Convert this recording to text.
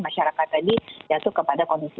masyarakat tadi jatuh kepada kondisi